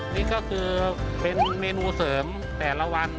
นี่ก็คือเป็นเมนูเสริมแต่ละวัน